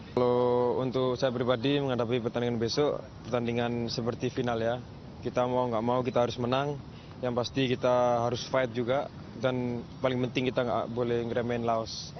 kalau untuk saya pribadi menghadapi pertandingan besok pertandingan seperti final ya kita mau nggak mau kita harus menang yang pasti kita harus fight juga dan paling penting kita nggak boleh ngeremain laos